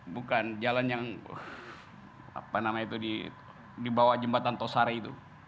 bukan jalan yang apa namanya itu di bawah jembatan tosari itu